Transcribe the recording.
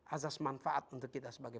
azas manfaat untuk kita sebagai